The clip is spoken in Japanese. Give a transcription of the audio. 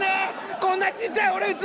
こんなちっちゃい俺の器。